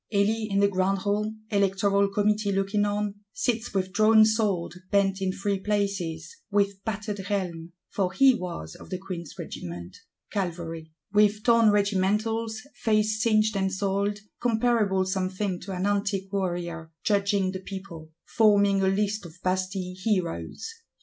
Elie, in the grand Hall, Electoral Committee looking on, sits "with drawn sword bent in three places;" with battered helm, for he was of the Queen's Regiment, Cavalry; with torn regimentals, face singed and soiled; comparable, some think, to "an antique warrior;"—judging the people; forming a list of Bastille Heroes.